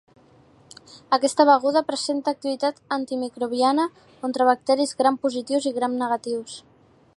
Aquesta beguda presenta activitat antimicrobiana contra bacteris Gram positius i Gram negatius.